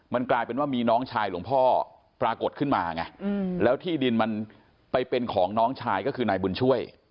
มันกลายเป็นว่ามีน้องชายหลวงพ่อปรากฏขึ้นมาไงแล้วที่ดินมันไปเป็นของน้องชายก็คือนายบุญช่วย